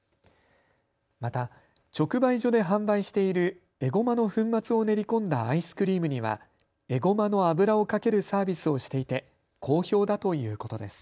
また直売所で販売しているエゴマの粉末を練り込んだアイスクリームにはエゴマの油をかけるサービスをしていて好評だということです。